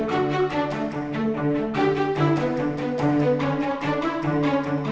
ketika dia berada di rumah dia mengalami kejahatan